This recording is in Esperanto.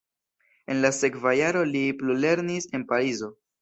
En la sekva jaro li plulernis en Parizo.